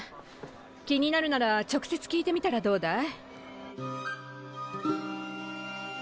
気になるなら直接聞いてみたらどうだい？